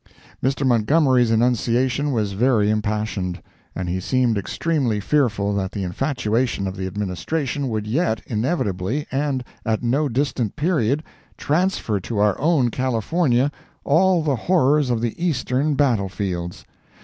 Mr. Montgomery's enunciation was very impassioned, and he seemed extremely fearful that the infatuation of the Administration would yet inevitably, and at no distant period, transfer to our own California all the horrors of the Eastern battle fields.